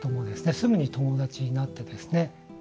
すぐに友達になってですね。